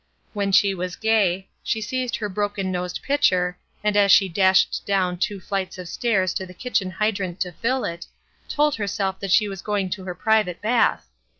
When she was gay, she seized her broken nosed pitcher, and as she dashed down two flights of stairs to the kitchen hydrant to fill it, told herself that she was going to her private bath!